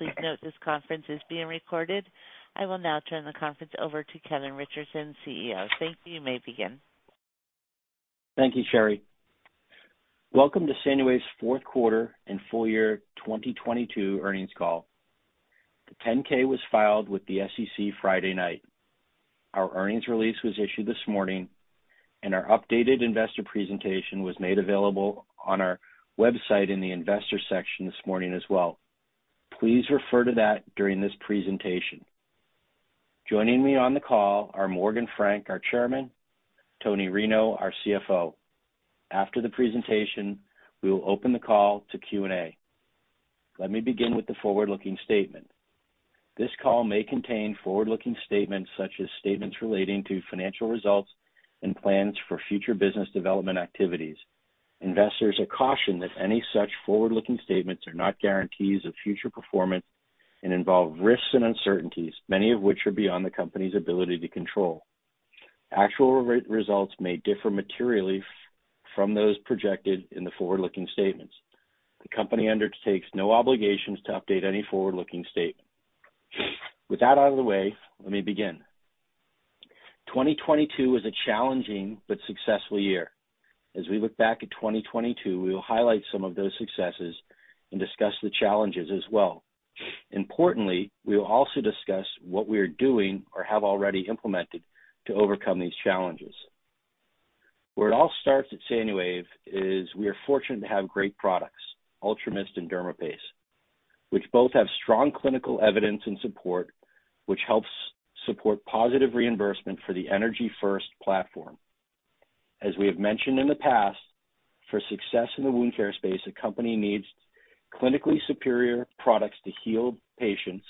Please note this conference is being recorded. I will now turn the conference over to Kevin Richardson, CEO. Thank you. You may begin. Thank you, Sherry. Welcome to SANUWAVE's fourth quarter and full year 2022 earnings call. The 10-K was filed with the SEC Friday night. Our earnings release was issued this morning, and our updated investor presentation was made available on our website in the investor section this morning as well. Please refer to that during this presentation. Joining me on the call are Morgan Frank, our Chairman, Toni Rinow, our CFO. After the presentation, we will open the call to Q&A. Let me begin with the forward-looking statement. This call may contain forward-looking statements such as statements relating to financial results and plans for future business development activities. Investors are cautioned that any such forward-looking statements are not guarantees of future performance and involve risks and uncertainties, many of which are beyond the company's ability to control. Actual results may differ materially from those projected in the forward-looking statements. The company undertakes no obligations to update any forward-looking statement. With that out of the way, let me begin. 2022 was a challenging but successful year. As we look back at 2022, we will highlight some of those successes and discuss the challenges as well. Importantly, we will also discuss what we are doing or have already implemented to overcome these challenges. Where it all starts at SANUWAVE is we are fortunate to have great products, UltraMIST and dermaPACE, which both have strong clinical evidence and support, which helps support positive reimbursement for the ENERGY FIRST platform. As we have mentioned in the past, for success in the wound care space, a company needs clinically superior products to heal patients,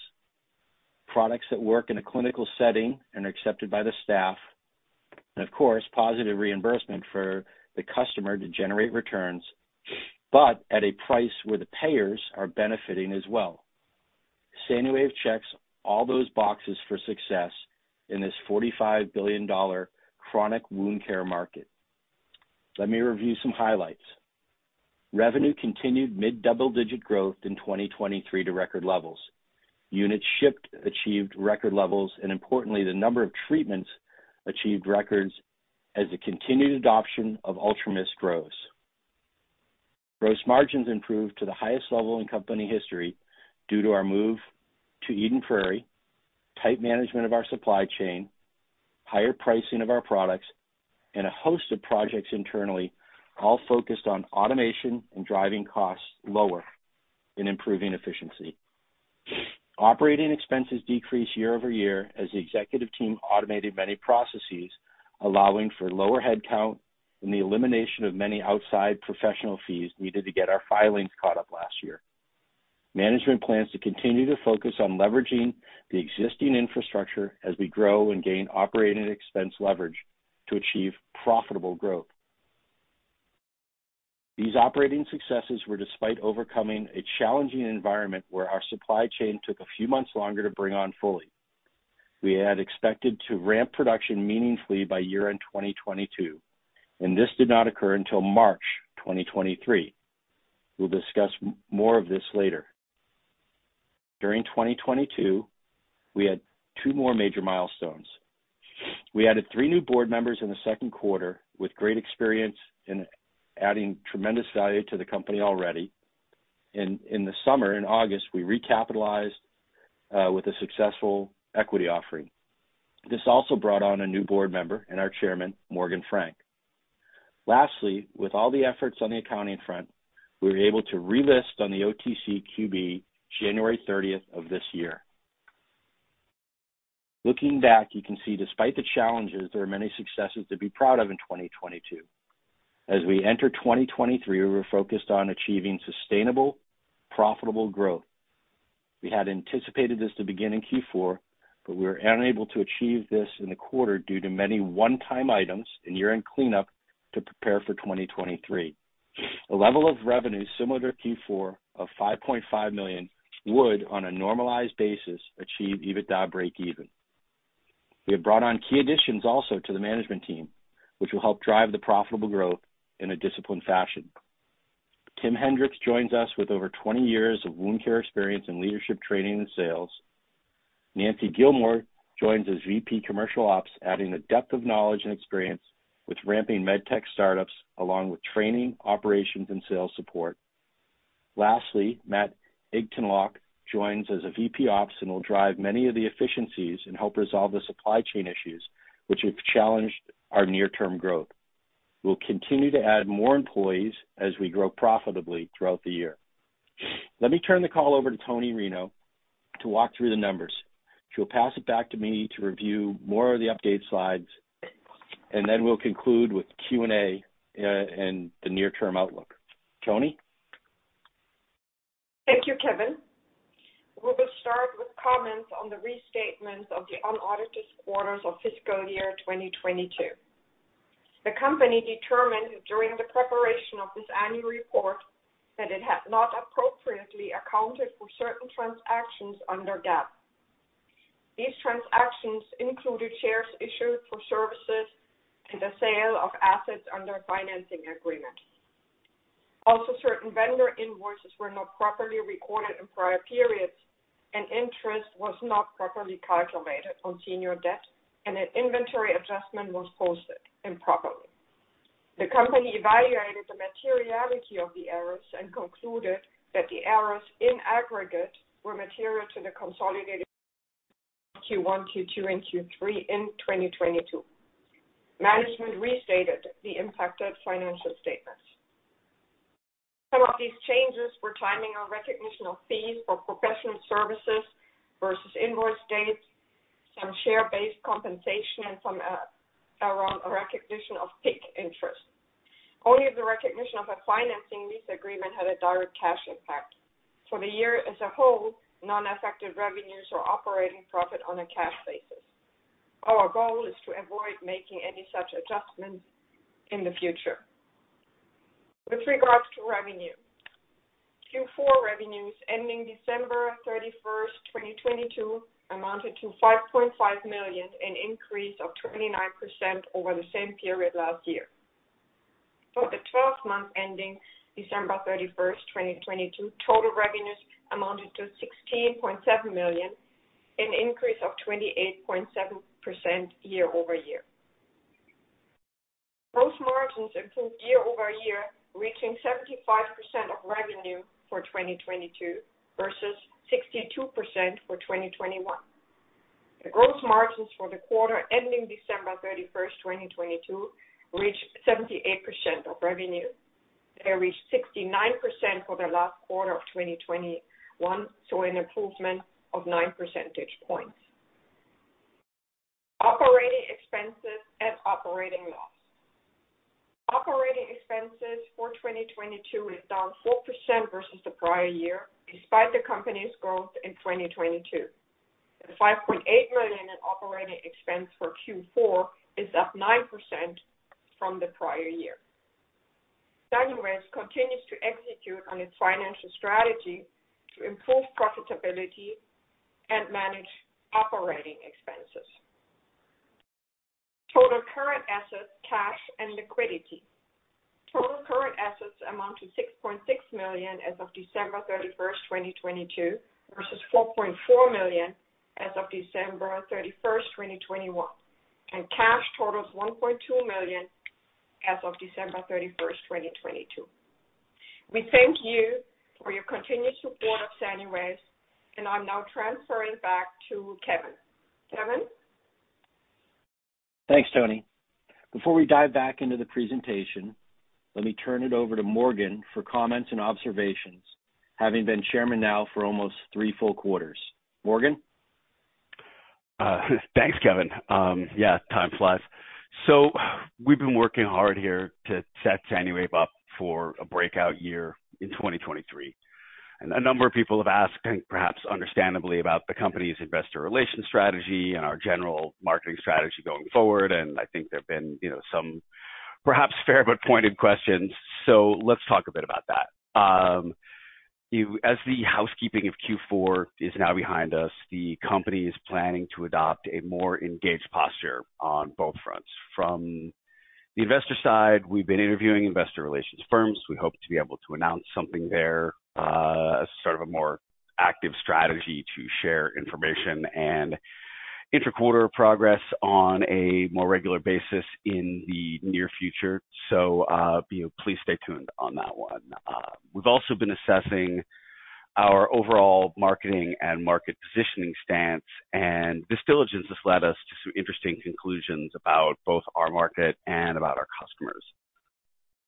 products that work in a clinical setting and are accepted by the staff, of course, positive reimbursement for the customer to generate returns, at a price where the payers are benefiting as well. SANUWAVE checks all those boxes for success in this $45 billion chronic wound care market. Let me review some highlights. Revenue continued mid-double-digit growth in 2023 to record levels. Units shipped achieved record levels, importantly, the number of treatments achieved records as the continued adoption of UltraMIST grows. Gross margins improved to the highest level in company history due to our move to Eden Prairie, tight management of our supply chain, higher pricing of our products, and a host of projects internally, all focused on automation and driving costs lower and improving efficiency. Operating expenses decreased year-over-year as the executive team automated many processes, allowing for lower headcount and the elimination of many outside professional fees needed to get our filings caught up last year. Management plans to continue to focus on leveraging the existing infrastructure as we grow and gain operating expense leverage to achieve profitable growth. These operating successes were despite overcoming a challenging environment where our supply chain took a few months longer to bring on fully. We had expected to ramp production meaningfully by year-end 2022. This did not occur until March 2023. We'll discuss more of this later. During 2022, we had two more major milestones. We added three new board members in the second quarter with great experience in adding tremendous value to the company already. In the summer, in August, we recapitalized with a successful equity offering. This also brought on a new board member and our chairman, Morgan Frank. Lastly, with all the efforts on the accounting front, we were able to relist on the OTCQB, January 30th of this year. Looking back, you can see despite the challenges, there are many successes to be proud of in 2022. As we enter 2023, we're focused on achieving sustainable, profitable growth. We had anticipated this to begin in Q4, we were unable to achieve this in the quarter due to many one-time items and year-end cleanup to prepare for 2023. A level of revenue similar to Q4 of $5.5 million would, on a normalized basis, achieve EBITDA breakeven. We have brought on key additions also to the management team, which will help drive the profitable growth in a disciplined fashion. Tim Hendricks joins us with over 20 years of wound care experience in leadership, training, and sales. Nanci Gilmore joins as VP Commercial Ops, adding a depth of knowledge and experience with ramping med tech startups along with training, operations, and sales support. Lastly, Matt Igtanloc joins as a VP Ops and will drive many of the efficiencies and help resolve the supply chain issues which have challenged our near-term growth. We'll continue to add more employees as we grow profitably throughout the year. Let me turn the call over to Toni Rinow to walk through the numbers. She'll pass it back to me to review more of the update slides, and then we'll conclude with Q&A, and the near-term outlook. Toni. Thank you, Kevin. We will start with comments on the restatements of the unaudited quarters of fiscal year 2022. The company determined during the preparation of this annual report that it had not appropriately accounted for certain transactions under GAAP. These transactions included shares issued for services and the sale of assets under financing agreement. Also, certain vendor invoices were not properly recorded in prior periods, and interest was not properly calculated on senior debt, and an inventory adjustment was posted improperly. The company evaluated the materiality of the errors and concluded that the errors in aggregate were material to the consolidated Q1, Q2, and Q3 in 2022. Management restated the impacted financial statements. Some of these changes were timing on recognition of fees for professional services versus invoice dates, some share-based compensation, and some around a recognition of PIK interest. Only the recognition of a financing lease agreement had a direct cash impact. For the year as a whole, non-affected revenues or operating profit on a cash basis. Our goal is to avoid making any such adjustments in the future. With regards to revenue. Q4 revenues ending December 31st, 2022 amounted to $5.5 million, an increase of 29% over the same period last year. For the 12 months ending December 31st, 2022, total revenues amounted to $16.7 million, an increase of 28.7% year-over-year. Gross margins improved year-over-year, reaching 75% of revenue for 2022 versus 62% for 2021. The gross margins for the quarter ending December 31st, 2022 reached 78% of revenue. They reached 69% for the last quarter of 2021, an improvement of 9 percentage points. Operating expenses and operating loss. Operating expenses for 2022 is down 4% versus the prior year, despite the company's growth in 2022. The $5.8 million in operating expense for Q4 is up 9% from the prior year. SANUWAVE continues to execute on its financial strategy to improve profitability and manage operating expenses. Total current assets, cash, and liquidity. Total current assets amount to $6.6 million as of December 31st, 2022 versus $4.4 million as of December 31st, 2021. Cash totals $1.2 million as of December 31st, 2022. We thank you for your continued support of SANUWAVE, and I'm now transferring back to Kevin. Kevin? Thanks, Toni. Before we dive back into the presentation, let me turn it over to Morgan for comments and observations, having been chairman now for almost three full quarters. Morgan? Thanks, Kevin. Yeah, time flies. We've been working hard here to set SANUWAVE up for a breakout year in 2023. A number of people have asked, and perhaps understandably, about the company's investor relations strategy and our general marketing strategy going forward. I think there've been, you know, some perhaps fair but pointed questions. Let's talk a bit about that. As the housekeeping of Q4 is now behind us, the company is planning to adopt a more engaged posture on both fronts. From the investor side, we've been interviewing investor relations firms. We hope to be able to announce something there, as sort of a more active strategy to share information and interquarter progress on a more regular basis in the near future. You know, please stay tuned on that one. We've also been assessing our overall marketing and market positioning stance. This diligence has led us to some interesting conclusions about both our market and about our customers.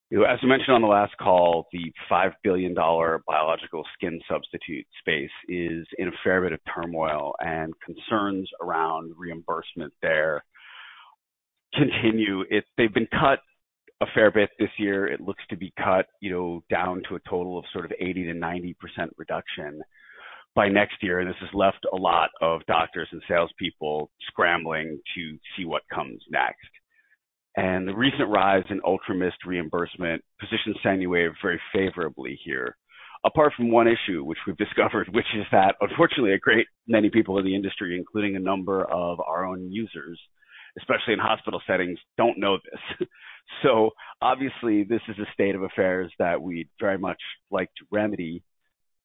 You know, as I mentioned on the last call, the $5 billion biological skin substitute space is in a fair bit of turmoil. Concerns around reimbursement there continue. They've been cut a fair bit this year. It looks to be cut, you know, down to a total of sort of 80%-90% reduction by next year. This has left a lot of doctors and salespeople scrambling to see what comes next. The recent rise in UltraMIST reimbursement positions SANUWAVE very favorably here. Apart from one issue which we've discovered, which is that unfortunately, a great many people in the industry, including a number of our own users, especially in hospital settings, don't know this. Obviously, this is a state of affairs that we'd very much like to remedy.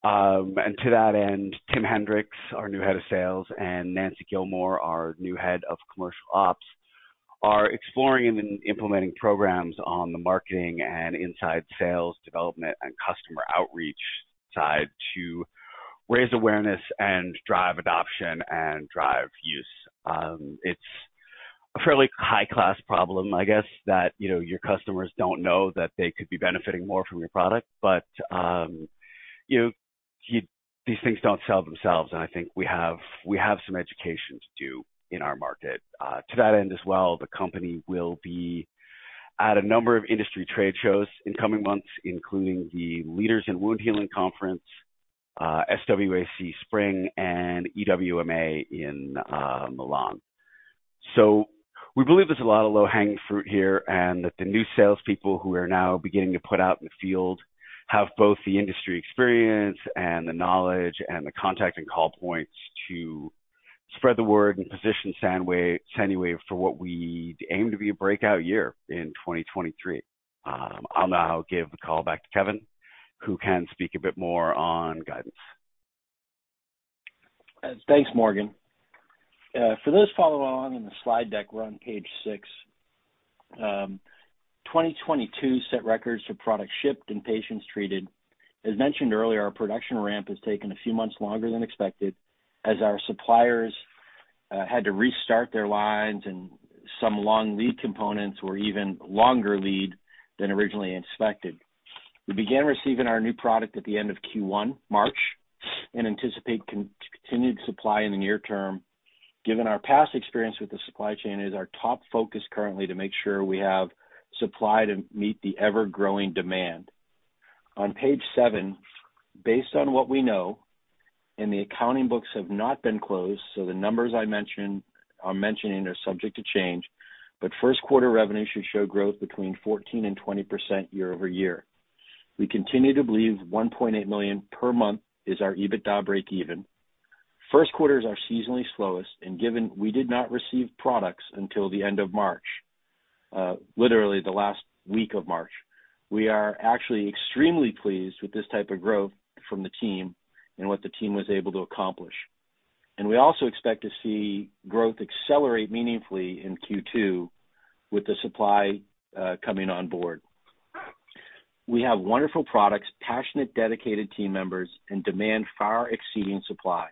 To that end, Tim Hendricks, our new Head of Sales, and Nanci Gilmore, our new Head of Commercial Ops, are exploring and then implementing programs on the marketing and inside sales development and customer outreach side to raise awareness and drive adoption and drive use. It's a fairly high-class problem, I guess, that, you know, your customers don't know that they could be benefiting more from your product. You know, these things don't sell themselves, and I think we have some education to do in our market. To that end as well, the company will be at a number of industry trade shows in coming months, including the Leaders in Wound Healing Conference, SAWC Spring, and EWMA in Milan. We believe there's a lot of low hanging fruit here, and that the new salespeople who are now beginning to put out in the field have both the industry experience and the knowledge and the contact and call points to spread the word and position SANUWAVE for what we aim to be a breakout year in 2023. I'll now give the call back to Kevin, who can speak a bit more on guidance. Thanks, Morgan. For those following along in the slide deck, we're on page six. 2022 set records for products shipped and patients treated. As mentioned earlier, our production ramp has taken a few months longer than expected as our suppliers had to restart their lines and some long lead components were even longer lead than originally expected. We began receiving our new product at the end of Q1, March, and anticipate continued supply in the near term. Given our past experience with the supply chain, it is our top focus currently to make sure we have supply to meet the ever-growing demand. On page seven, based on what we know and the accounting books have not been closed, the numbers I'm mentioning are subject to change, but first quarter revenue should show growth between 14% and 20% year-over-year. We continue to believe $1.8 million per month is our EBITDA breakeven. First quarter is our seasonally slowest, and given we did not receive products until the end of March, literally the last week of March, we are actually extremely pleased with this type of growth from the team and what the team was able to accomplish. We also expect to see growth accelerate meaningfully in Q2 with the supply coming on board. We have wonderful products, passionate, dedicated team members, and demand far exceeding supply.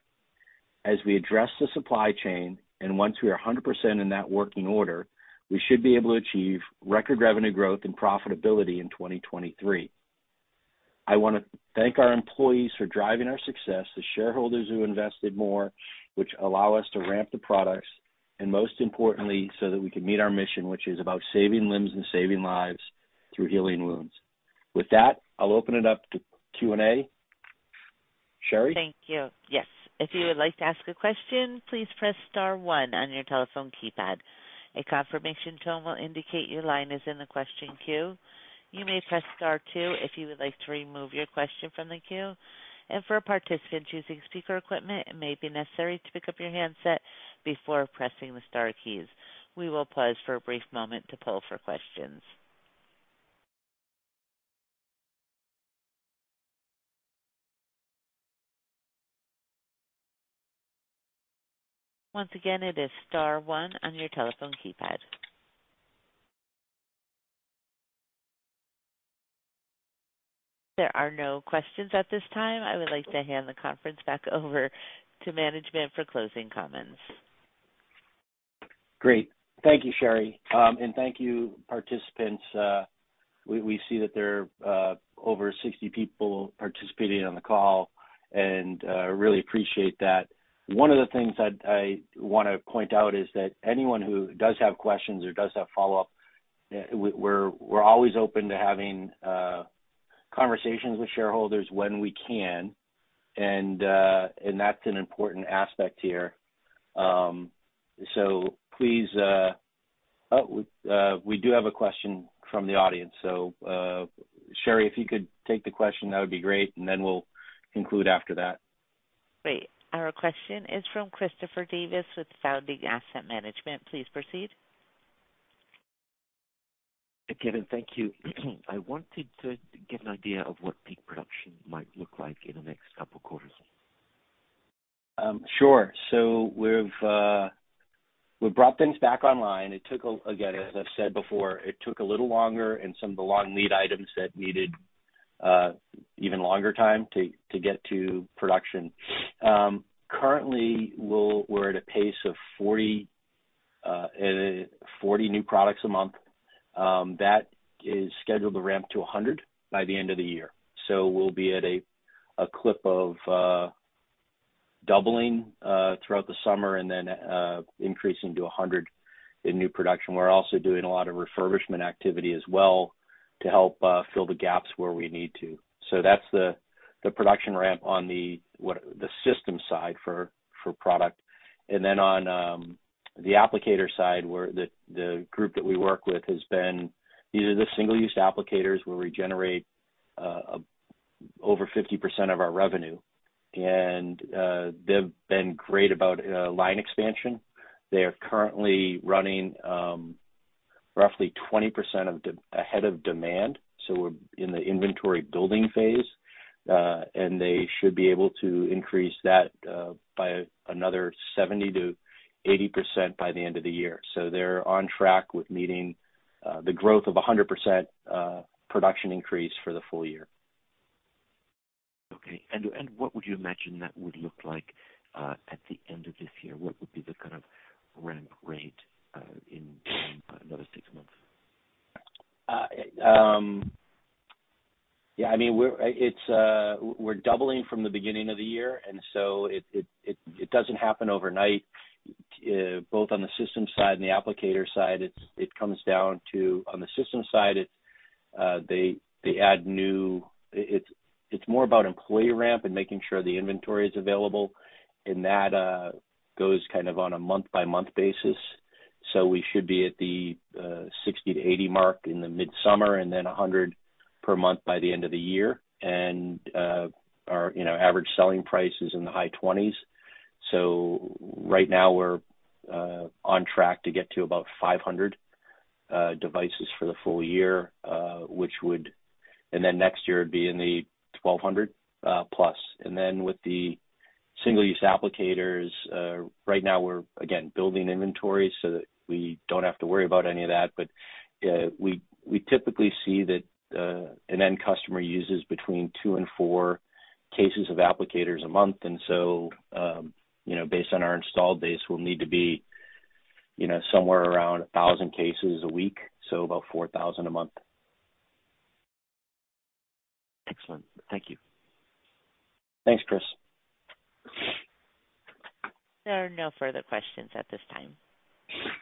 As we address the supply chain, and once we are 100% in that working order, we should be able to achieve record revenue growth and profitability in 2023. I wanna thank our employees for driving our success, the shareholders who invested more, which allow us to ramp the products, and most importantly, so that we can meet our mission, which is about saving limbs and saving lives through healing wounds. With that, I'll open it up to Q&A. Sherry? Thank you. Yes. If you would like to ask a question, please press star one on your telephone keypad. A confirmation tone will indicate your line is in the question queue. You may press star two if you would like to remove your question from the queue. For a participant choosing speaker equipment, it may be necessary to pick up your handset before pressing the star keys. We will pause for a brief moment to poll for questions. Once again, it is star one on your telephone keypad. There are no questions at this time. I would like to hand the conference back over to management for closing comments. Great. Thank you, Sherry. Thank you, participants. We see that there are over 60 people participating on the call and really appreciate that. One of the things I wanna point out is that anyone who does have questions or does have follow-up, we're always open to having conversations with shareholders when we can, and and that's an important aspect here. So please. Oh, we do have a question from the audience. So Sherry, if you could take the question, that would be great. Then we'll conclude after that. Great. Our question is from Christopher Davis with Founding Asset Management. Please proceed. Kevin, thank you. I wanted to get an idea of what peak production might look like in the next couple quarters. Sure. So we've brought things back online. It took Again, as I've said before, it took a little longer, and some of the long lead items that needed even longer time to get to production. Currently we're at a pace of 40 new products a month, that is scheduled to ramp to 100 by the end of the year. We'll be at a clip of doubling throughout the summer and then increasing to 100 in new production. We're also doing a lot of refurbishment activity as well to help fill the gaps where we need to. That's the production ramp on the system side for product. Then on the applicator side, where the group that we work with has been. These are the single-use applicators where we generate, over 50% of our revenue. They've been great about line expansion. They are currently running, roughly 20% ahead of demand, so we're in the inventory building phase, and they should be able to increase that by another 70%-80% by the end of the year. They're on track with meeting the growth of a 100% production increase for the full year. Okay. What would you imagine that would look like, at the end of this year? What would be the kind of ramp rate, in another six months? Yeah, I mean, it's, we're doubling from the beginning of the year, and so it doesn't happen overnight. Both on the system side and the applicator side, it's, it comes down to, on the system side, it's more about employee ramp and making sure the inventory is available, and that goes kind of on a month by month basis. We should be at the 60-80 mark in the mid-summer and then 100 per month by the end of the year. Our, you know, average selling price is in the high $20s. Right now we're on track to get to about 500 devices for the full year, which would. Next year it'd be in the 1,200+. With the single-use applicators, right now we're again building inventory so that we don't have to worry about any of that. We typically see that an end customer uses between two and four cases of applicators a month. You know, based on our installed base, we'll need to be, you know, somewhere around 1,000 cases a week, so about 4,000 a month. Excellent. Thank you. Thanks, Chris. There are no further questions at this time.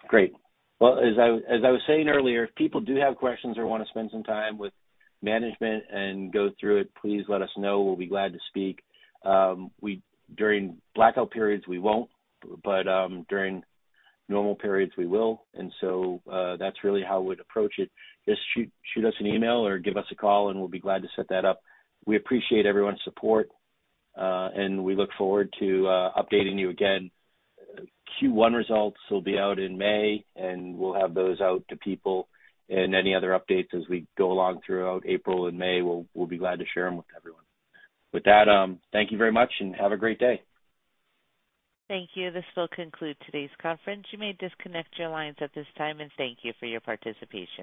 Great. Well, as I was saying earlier, if people do have questions or wanna spend some time with management and go through it, please let us know. We'll be glad to speak. During blackout periods, we won't, but, during normal periods, we will. That's really how we'd approach it. Just shoot us an email or give us a call, and we'll be glad to set that up. We appreciate everyone's support, and we look forward to updating you again. Q1 results will be out in May, and we'll have those out to people, and any other updates as we go along throughout April and May, we'll be glad to share them with everyone. With that, thank you very much and have a great day. Thank you. This will conclude today's conference. You may disconnect your lines at this time. Thank you for your participation.